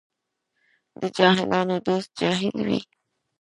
د جاهلانو دوست جاهل وي.